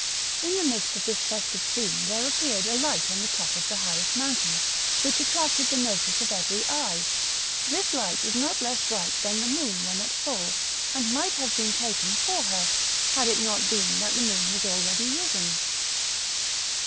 In the midst of this festive scene there appeared a light on the top of the highest mountain, which attracted the notice of every eye; this light was not less bright than the moon when at full, and might have been taken for her, had it not been that the moon was already risen.